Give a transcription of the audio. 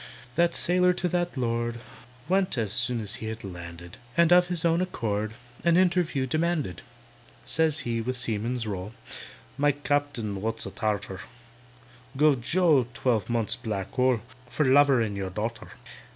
That sailor to that Lord Went, soon as he had landed, And of his own accord An interview demanded. Says he, with seaman's roll, "My Captain (wot's a Tartar) Guv JOE twelve months' black hole, For lovering your darter.